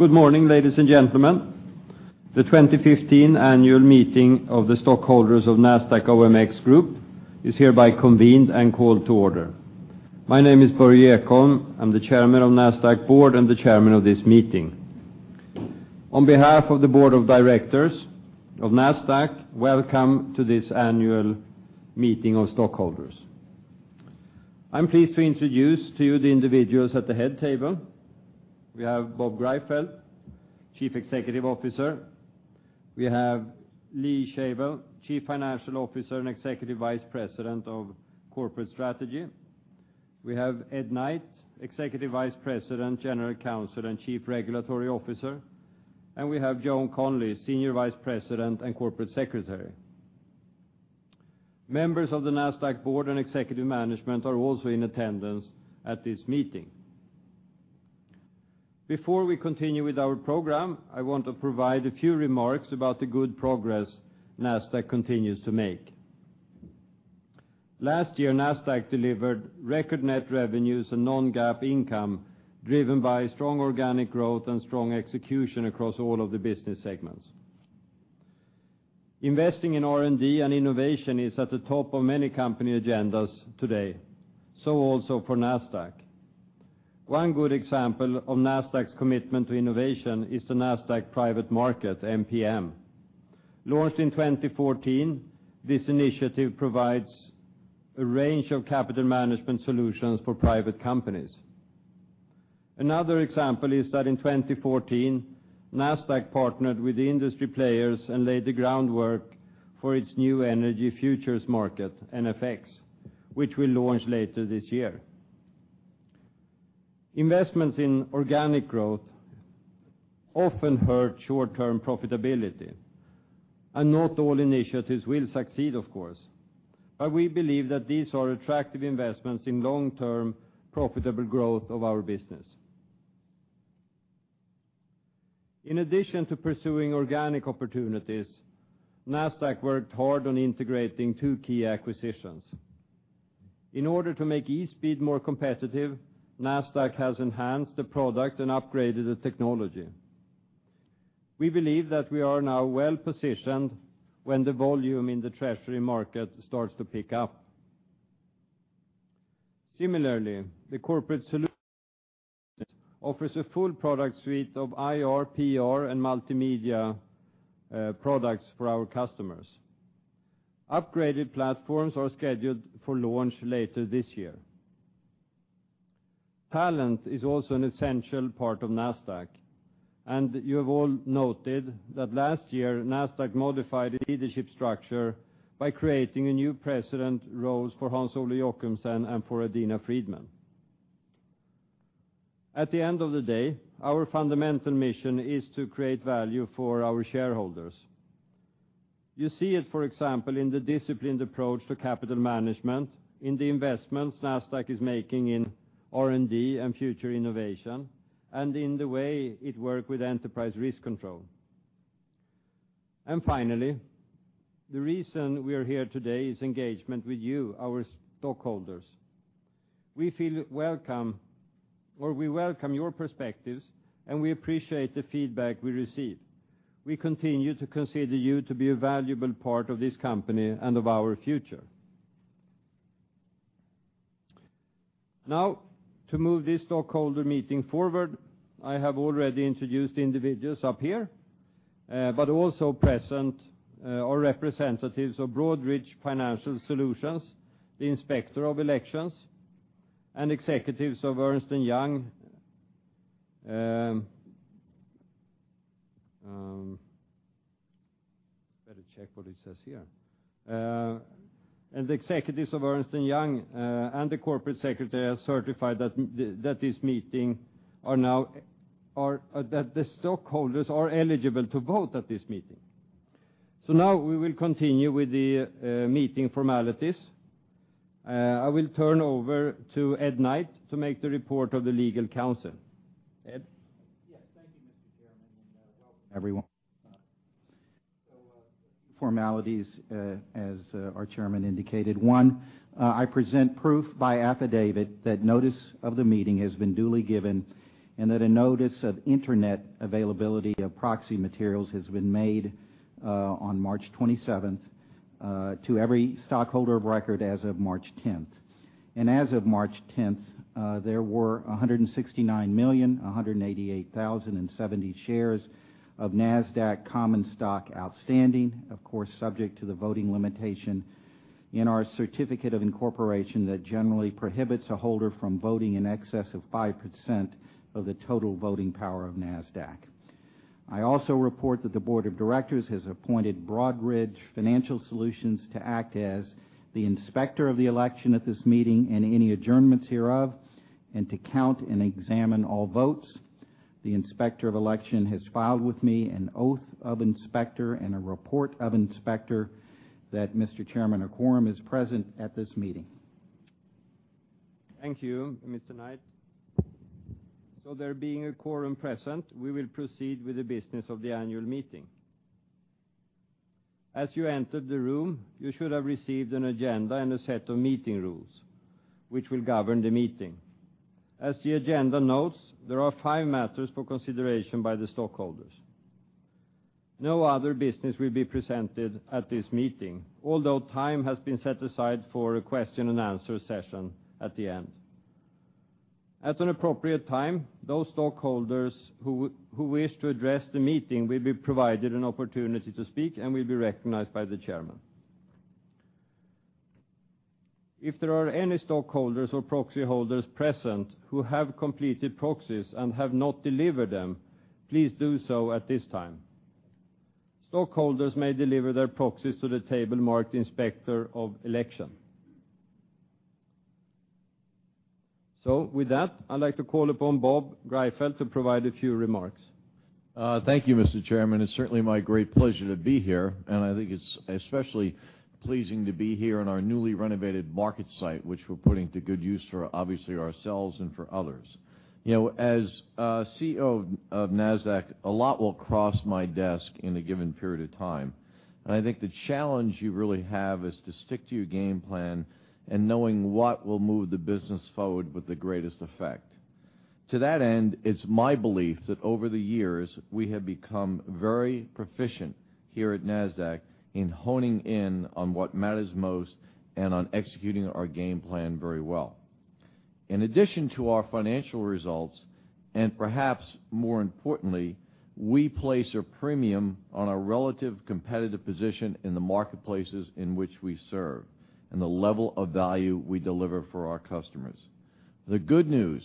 Good morning, ladies and gentlemen. The 2015 annual meeting of the stockholders of NASDAQ OMX Group is hereby convened and called to order. My name is Börje Ekholm. I'm the chairman of Nasdaq Board and the chairman of this meeting. On behalf of the board of directors of Nasdaq, welcome to this annual meeting of stockholders. I'm pleased to introduce to you the individuals at the head table. We have Bob Greifeld, Chief Executive Officer. We have Lee Shavel, Chief Financial Officer and Executive Vice President of Corporate Strategy. We have Ed Knight, Executive Vice President, General Counsel, and Chief Regulatory Officer. We have Joan Conley, Senior Vice President and Corporate Secretary. Members of the Nasdaq Board and executive management are also in attendance at this meeting. Before we continue with our program, I want to provide a few remarks about the good progress Nasdaq continues to make. Last year, Nasdaq delivered record net revenues and non-GAAP income, driven by strong organic growth and strong execution across all of the business segments. Investing in R&D and innovation is at the top of many company agendas today. So also for Nasdaq. One good example of Nasdaq's commitment to innovation is the Nasdaq Private Market, NPM. Launched in 2014, this initiative provides a range of capital management solutions for private companies. Another example is that in 2014, Nasdaq partnered with industry players and laid the groundwork for its new energy futures market, NFX, which will launch later this year. Investments in organic growth often hurt short-term profitability, and not all initiatives will succeed, of course. We believe that these are attractive investments in long-term profitable growth of our business. In addition to pursuing organic opportunities, Nasdaq worked hard on integrating two key acquisitions. In order to make eSpeed more competitive, Nasdaq has enhanced the product and upgraded the technology. We believe that we are now well-positioned when the volume in the treasury market starts to pick up. Similarly, the corporate solution offers a full product suite of IR, PR, and multimedia products for our customers. Upgraded platforms are scheduled for launch later this year. Talent is also an essential part of Nasdaq, and you have all noted that last year, Nasdaq modified the leadership structure by creating a new president role for Hans-Ole Jochumsen and for Adena Friedman. At the end of the day, our fundamental mission is to create value for our shareholders. You see it, for example, in the disciplined approach to capital management, in the investments Nasdaq is making in R&D and future innovation, and in the way it works with enterprise risk control. Finally, the reason we are here today is engagement with you, our stockholders. We welcome your perspectives, and we appreciate the feedback we receive. We continue to consider you to be a valuable part of this company and of our future. Now, to move this stockholder meeting forward, I have already introduced the individuals up here, but also present are representatives of Broadridge Financial Solutions, the Inspector of Elections, and executives of Ernst & Young. Better check what it says here. The executives of Ernst & Young, and the corporate secretary, have certified that the stockholders are eligible to vote at this meeting. Now we will continue with the meeting formalities. I will turn over to Ed Knight to make the report of the legal counsel. Ed? Yes. Thank you, Mr. Chairman, and welcome, everyone. Formalities, as our chairman indicated. One, I present proof by affidavit that notice of the meeting has been duly given and that a notice of internet availability of proxy materials has been made on March 27th, to every stockholder of record as of March 10th. As of March 10th, there were 169,188,070 shares of Nasdaq common stock outstanding, of course, subject to the voting limitation in our certificate of incorporation that generally prohibits a holder from voting in excess of 5% of the total voting power of Nasdaq. I also report that the board of directors has appointed Broadridge Financial Solutions to act as the inspector of the election at this meeting and any adjournments hereof, and to count and examine all votes. The Inspector of Election has filed with me an oath of inspector and a report of inspector that, Mr. Chairman, a quorum is present at this meeting. Thank you, Mr. Knight. There being a quorum present, we will proceed with the business of the annual meeting. As you entered the room, you should have received an agenda and a set of meeting rules, which will govern the meeting. As the agenda notes, there are five matters for consideration by the stockholders. No other business will be presented at this meeting, although time has been set aside for a question and answer session at the end. At an appropriate time, those stakeholders who wish to address the meeting will be provided an opportunity to speak and will be recognized by the chairman. If there are any stockholders or proxy holders present who have completed proxies and have not delivered them, please do so at this time. Stockholders may deliver their proxies to the table marked Inspector of Election. With that, I'd like to call upon Bob Greifeld to provide a few remarks. Thank you, Mr. Chairman. It's certainly my great pleasure to be here. I think it's especially pleasing to be here in our newly renovated market site, which we're putting to good use for obviously ourselves and for others. As CEO of Nasdaq, a lot will cross my desk in a given period of time. I think the challenge you really have is to stick to your game plan and knowing what will move the business forward with the greatest effect. To that end, it's my belief that over the years, we have become very proficient here at Nasdaq in honing in on what matters most and on executing our game plan very well. In addition to our financial results, perhaps more importantly, we place a premium on our relative competitive position in the marketplaces in which we serve and the level of value we deliver for our customers. The good news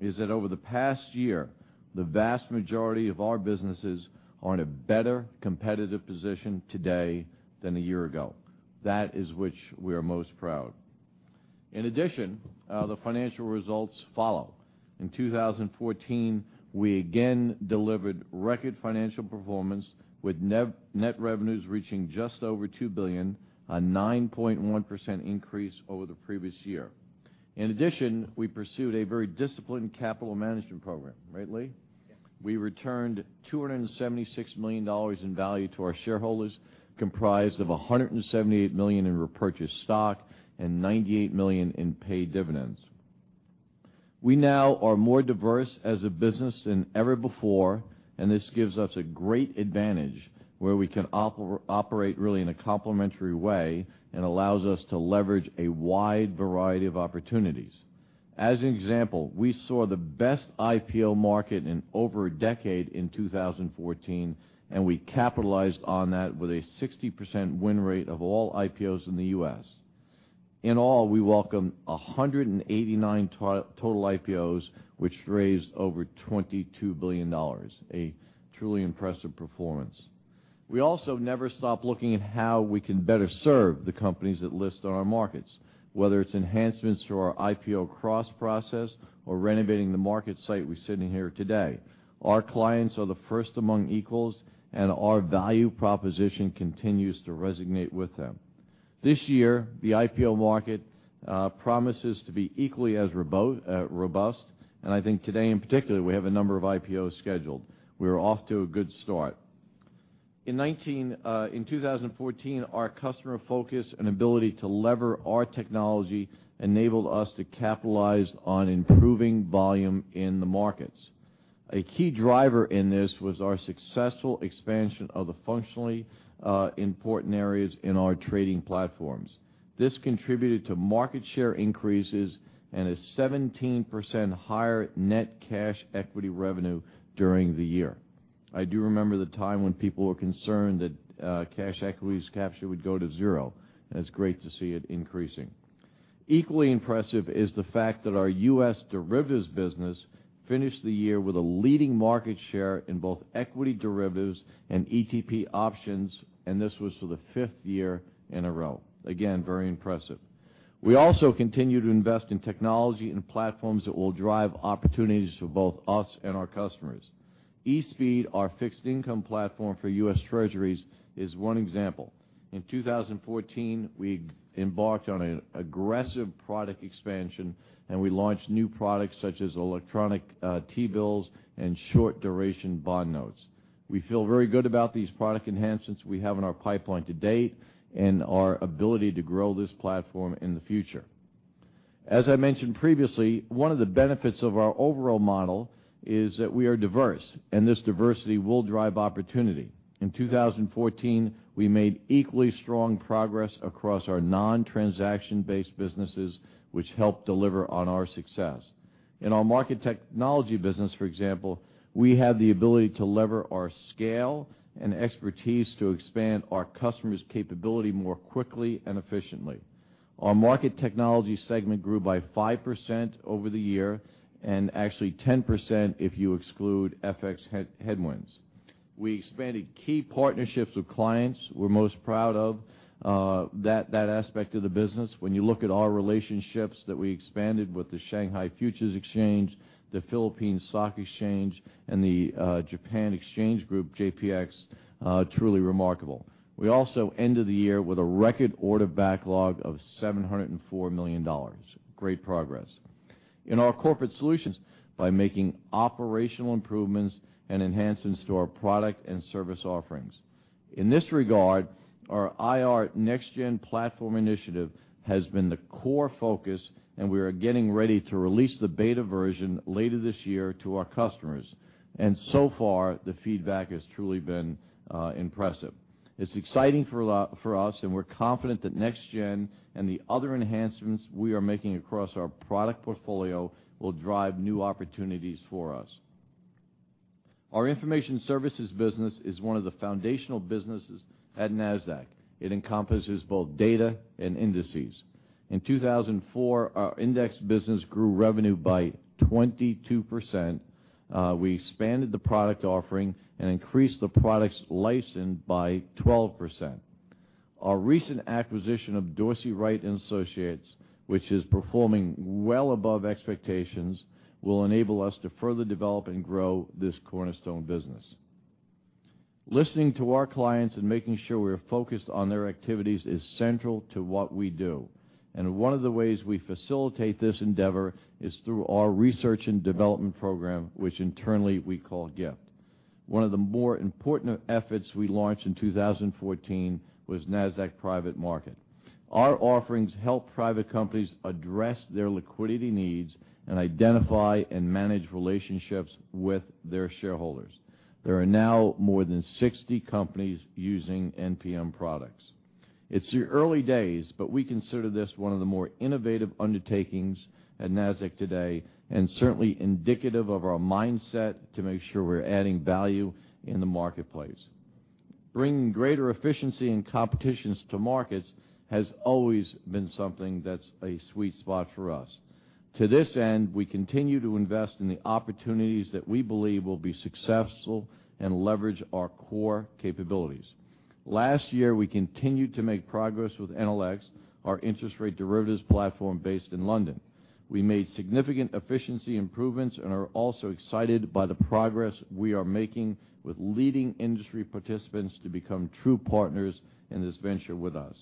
is that over the past year, the vast majority of our businesses are in a better competitive position today than a year ago. That is which we are most proud. In addition, the financial results follow. In 2014, we again delivered record financial performance with net revenues reaching just over $2 billion, a 9.1% increase over the previous year. In addition, we pursued a very disciplined capital management program. Right, Lee? Yes. We returned $276 million in value to our shareholders, comprised of $178 million in repurchased stock and $98 million in paid dividends. We now are more diverse as a business than ever before. This gives us a great advantage where we can operate really in a complementary way and allows us to leverage a wide variety of opportunities. As an example, we saw the best IPO market in over a decade in 2014, and we capitalized on that with a 60% win rate of all IPOs in the U.S. In all, we welcomed 189 total IPOs, which raised over $22 billion, a truly impressive performance. We also never stop looking at how we can better serve the companies that list on our markets, whether it's enhancements to our IPO cross process or renovating the market site we're sitting in here today. Our clients are the first among equals. Our value proposition continues to resonate with them. This year, the IPO market promises to be equally as robust. I think today in particular, we have a number of IPOs scheduled. We're off to a good start. In 2014, our customer focus and ability to lever our technology enabled us to capitalize on improving volume in the markets. A key driver in this was our successful expansion of the functionally important areas in our trading platforms. This contributed to market share increases and a 17% higher net cash equity revenue during the year. I do remember the time when people were concerned that cash equities capture would go to zero, and it's great to see it increasing. Equally impressive is the fact that our U.S. derivatives business finished the year with a leading market share in both equity derivatives and ETP options. This was for the fifth year in a row. Again, very impressive. We also continue to invest in technology and platforms that will drive opportunities for both us and our customers. eSpeed, our fixed income platform for U.S. Treasuries, is one example. In 2014, we embarked on an aggressive product expansion. We launched new products such as electronic T-bills and short duration bond notes. We feel very good about these product enhancements we have in our pipeline to date and our ability to grow this platform in the future. As I mentioned previously, one of the benefits of our overall model is that we are diverse. This diversity will drive opportunity. In 2014, we made equally strong progress across our non-transaction-based businesses, which helped deliver on our success. In our market technology business, for example, we have the ability to lever our scale and expertise to expand our customers' capability more quickly and efficiently. Our market technology segment grew by 5% over the year, actually 10% if you exclude FX headwinds. We expanded key partnerships with clients. We're most proud of that aspect of the business. When you look at our relationships that we expanded with the Shanghai Futures Exchange, the Philippine Stock Exchange, and the Japan Exchange Group, JPX, truly remarkable. We also ended the year with a record order backlog of $704 million. Great progress. In our corporate solutions by making operational improvements and enhancements to our product and service offerings. In this regard, our IR NextGen platform initiative has been the core focus. We are getting ready to release the beta version later this year to our customers. So far, the feedback has truly been impressive. It's exciting for us. We're confident that NextGen and the other enhancements we are making across our product portfolio will drive new opportunities for us. Our information services business is one of the foundational businesses at Nasdaq. It encompasses both data and indices. In 2004, our index business grew revenue by 22%. We expanded the product offering and increased the products licensed by 12%. Our recent acquisition of Dorsey, Wright & Associates, which is performing well above expectations, will enable us to further develop and grow this cornerstone business. Listening to our clients and making sure we're focused on their activities is central to what we do. One of the ways we facilitate this endeavor is through our research and development program, which internally we call GIFT. One of the more important efforts we launched in 2014 was Nasdaq Private Market. Our offerings help private companies address their liquidity needs and identify and manage relationships with their shareholders. There are now more than 60 companies using NPM products. It's the early days, but we consider this one of the more innovative undertakings at Nasdaq today and certainly indicative of our mindset to make sure we're adding value in the marketplace. Bringing greater efficiency and competition to markets has always been something that's a sweet spot for us. To this end, we continue to invest in the opportunities that we believe will be successful and leverage our core capabilities. Last year, we continued to make progress with NLX, our interest rate derivatives platform based in London. We made significant efficiency improvements and are also excited by the progress we are making with leading industry participants to become true partners in this venture with us.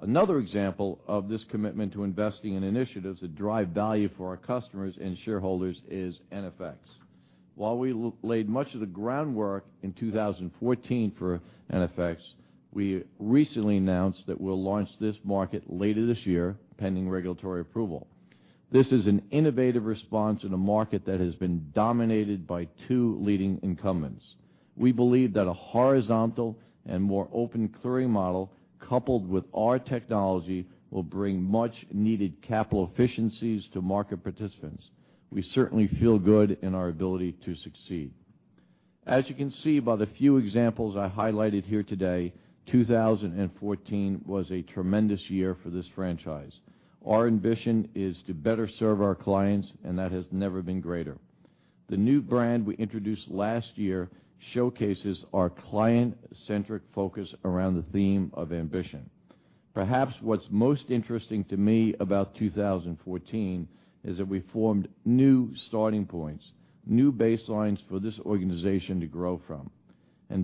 Another example of this commitment to investing in initiatives that drive value for our customers and shareholders is NFX. While we laid much of the groundwork in 2014 for NFX, we recently announced that we'll launch this market later this year, pending regulatory approval. This is an innovative response in a market that has been dominated by two leading incumbents. We believe that a horizontal and more open clearing model coupled with our technology will bring much-needed capital efficiencies to market participants. We certainly feel good in our ability to succeed. As you can see by the few examples I highlighted here today, 2014 was a tremendous year for this franchise. Our ambition is to better serve our clients, that has never been greater. The new brand we introduced last year showcases our client-centric focus around the theme of ambition. Perhaps what's most interesting to me about 2014 is that we formed new starting points, new baselines for this organization to grow from.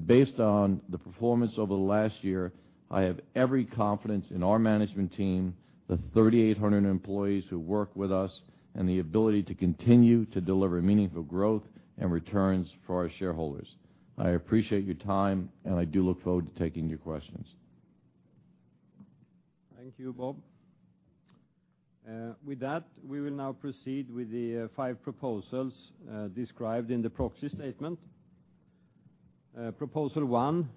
Based on the performance over the last year, I have every confidence in our management team, the 3,800 employees who work with us, and the ability to continue to deliver meaningful growth and returns for our shareholders. I appreciate your time, and I do look forward to taking your questions. Thank you, Bob. With that, we will now proceed with the five proposals described in the proxy statement. Proposal one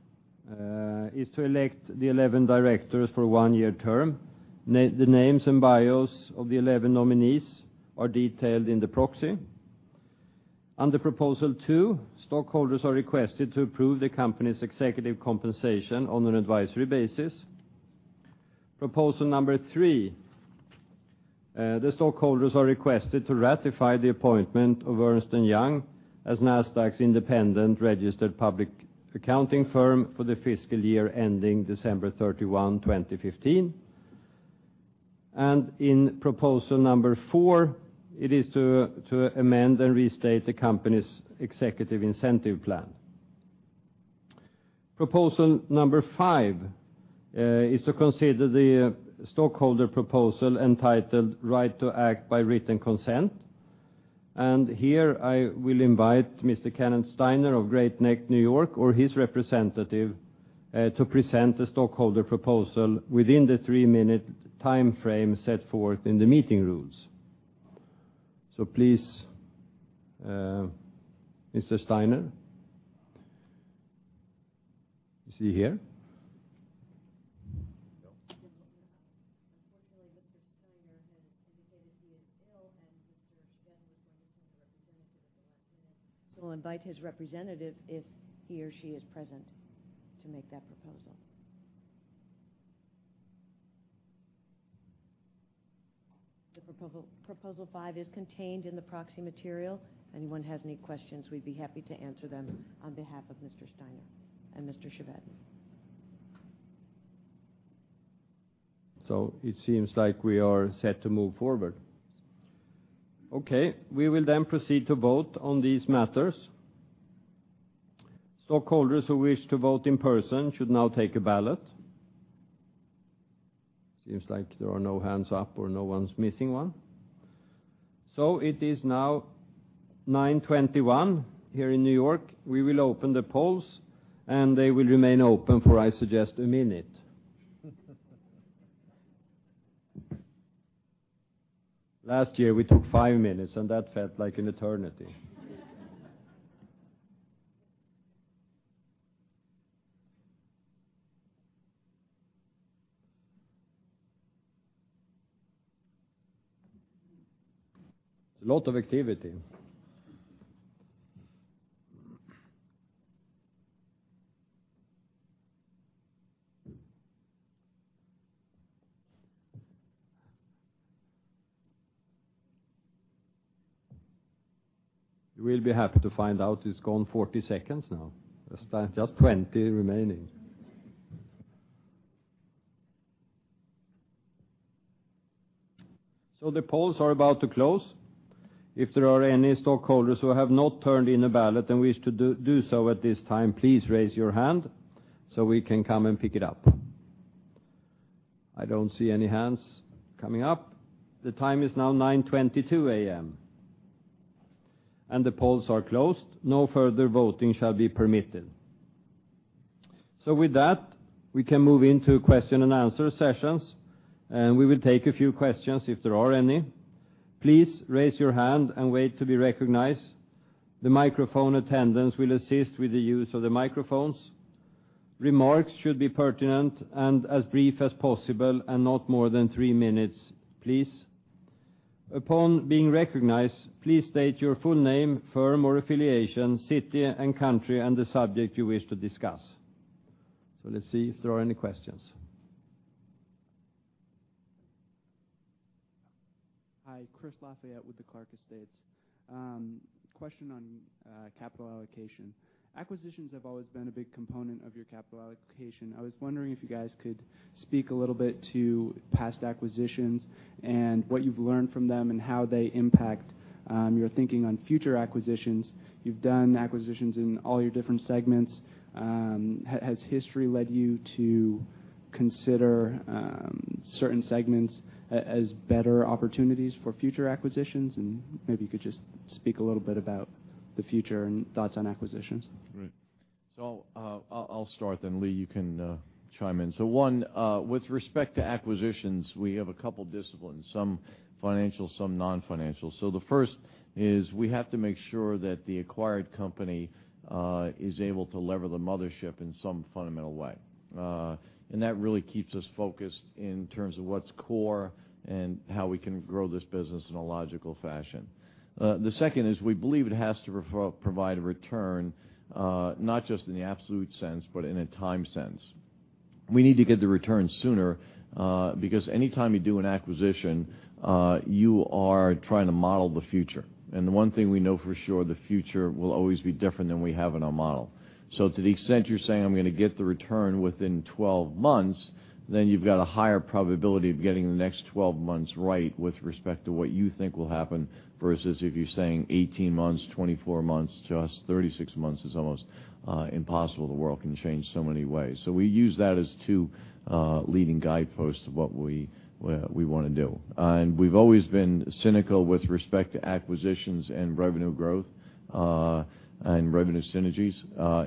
is to elect the 11 directors for a one-year term. The names and bios of the 11 nominees are detailed in the proxy. Under proposal two, stockholders are requested to approve the company's executive compensation on an advisory basis. Proposal number three, the stockholders are requested to ratify the appointment of Ernst & Young as Nasdaq's independent registered public accounting firm for the fiscal year ending December 31, 2015. In proposal number four, it is to amend and restate the company's executive incentive plan. Proposal number five is to consider the stockholder proposal entitled Right to Act by Written Consent. Here, I will invite Mr. Kenneth Steiner of Great Neck, N.Y., or his representative to present the stockholder proposal within the three-minute time frame set forth in the meeting rules. Please, Mr. Steiner. Is he here? Unfortunately, Mr. Steiner has indicated he is ill, and Mr. Chevedden was going to send a representative at the last minute. I invite his representative, if he or she is present, to make that proposal. The proposal 5 is contained in the proxy material. Anyone has any questions, we'd be happy to answer them on behalf of Mr. Steiner and Mr. Chevedden. It seems like we are set to move forward. Okay. We will proceed to vote on these matters. Stockholders who wish to vote in person should now take a ballot. Seems like there are no hands up or no one's missing one. It is now 9:21 here in N.Y. We will open the polls, and they will remain open for, I suggest, a minute. Last year, we took five minutes, and that felt like an eternity. A lot of activity. You will be happy to find out it's gone 40 seconds now. Just 20 remaining. The polls are about to close. If there are any stockholders who have not turned in a ballot and wish to do so at this time, please raise your hand so we can come and pick it up. I don't see any hands coming up. The time is now 9:22 A.M., and the polls are closed. No further voting shall be permitted. With that, we can move into question and answer sessions. We will take a few questions if there are any. Please raise your hand and wait to be recognized. The microphone attendants will assist with the use of the microphones. Remarks should be pertinent and as brief as possible, and not more than three minutes, please. Upon being recognized, please state your full name, firm or affiliation, city and country, and the subject you wish to discuss. Let's see if there are any questions. Hi. Chris Lafayette with The Clark Estates. Question on capital allocation. Acquisitions have always been a big component of your capital allocation. I was wondering if you guys could speak a little bit to past acquisitions and what you've learned from them and how they impact your thinking on future acquisitions. You've done acquisitions in all your different segments. Has history led you to consider certain segments as better opportunities for future acquisitions? Maybe you could just speak a little bit about the future and thoughts on acquisitions. Right. I'll start then, Lee, you can chime in. One, with respect to acquisitions, we have a couple disciplines, some financial, some non-financial. The first is we have to make sure that the acquired company is able to lever the mothership in some fundamental way. That really keeps us focused in terms of what's core and how we can grow this business in a logical fashion. The second is we believe it has to provide a return, not just in the absolute sense, but in a time sense. We need to get the return sooner, because anytime you do an acquisition, you are trying to model the future. The one thing we know for sure, the future will always be different than we have in our model. To the extent you're saying, "I'm going to get the return within 12 months," then you've got a higher probability of getting the next 12 months right with respect to what you think will happen, versus if you're saying 18 months, 24 months, to us, 36 months is almost impossible. The world can change so many ways. We use that as two leading guideposts of what we want to do. We've always been cynical with respect to acquisitions and revenue growth, and revenue synergies.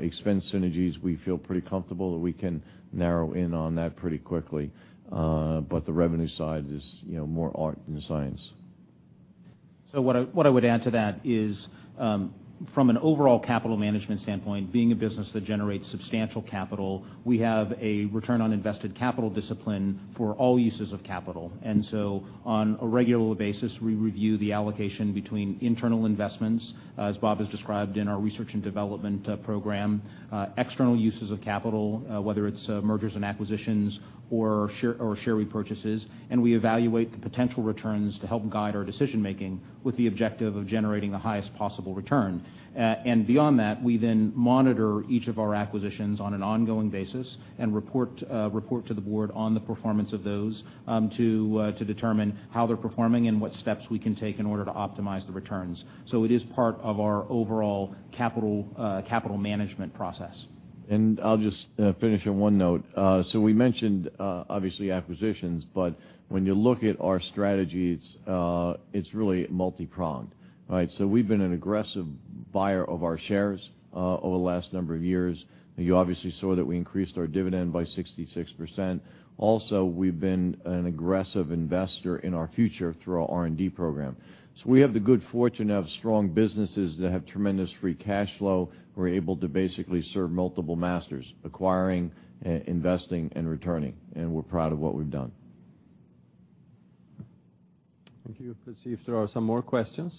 Expense synergies, we feel pretty comfortable that we can narrow in on that pretty quickly. The revenue side is more art than science. What I would add to that is, from an overall capital management standpoint, being a business that generates substantial capital, we have a return on invested capital discipline for all uses of capital. On a regular basis, we review the allocation between internal investments, as Bob has described in our research and development program, external uses of capital, whether it's mergers and acquisitions or share repurchases, and we evaluate the potential returns to help guide our decision-making with the objective of generating the highest possible return. Beyond that, we then monitor each of our acquisitions on an ongoing basis and report to the board on the performance of those to determine how they're performing and what steps we can take in order to optimize the returns. It is part of our overall capital management process. I'll just finish on one note. We mentioned, obviously, acquisitions, when you look at our strategies, it's really multi-pronged. We've been an aggressive buyer of our shares over the last number of years. You obviously saw that we increased our dividend by 66%. Also, we've been an aggressive investor in our future through our R&D program. We have the good fortune of strong businesses that have tremendous free cash flow. We're able to basically serve multiple masters, acquiring, investing, and returning, and we're proud of what we've done. Thank you. Let's see if there are some more questions.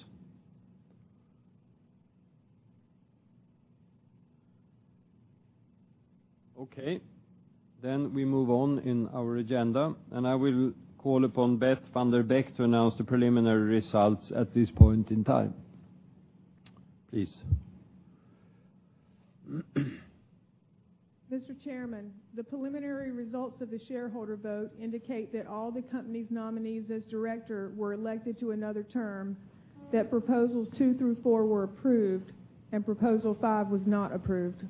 We move on in our agenda, and I will call upon Beth Van Der Beck to announce the preliminary results at this point in time. Please. Mr. Chairman, the preliminary results of the shareholder vote indicate that all the company's nominees as director were elected to another term, that proposals 2 through 4 were approved, and proposal five was not approved.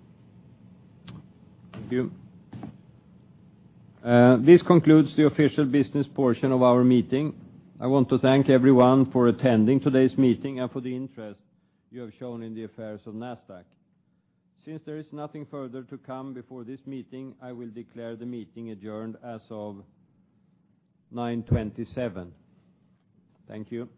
Thank you. This concludes the official business portion of our meeting. I want to thank everyone for attending today's meeting and for the interest you have shown in the affairs of Nasdaq. Since there is nothing further to come before this meeting, I will declare the meeting adjourned as of 9:27. Thank you